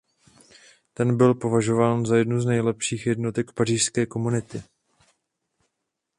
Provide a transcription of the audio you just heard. Ten byl považován za jednu z nejlepších jednotek Pařížské komuny.